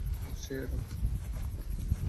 হেই, Adam.